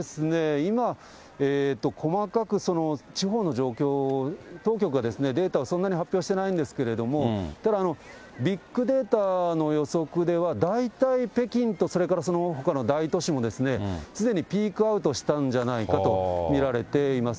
今、細かく地方の状況を当局がデータをそんなに発表していないんですけれども、ただ、ビッグデータの予測では大体、北京と、それからそのほかの大都市も、すでにピークアウトしたんじゃないかと見られています。